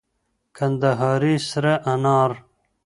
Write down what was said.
کندهاري سره انار.